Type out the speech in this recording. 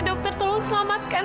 dokter tolong selamatkan